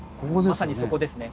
まさにそこですね。